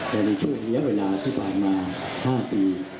แต่ว่าเวลาที่ผ่านมา๕ปี